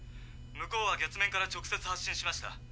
向こうは月面から直接発進しました。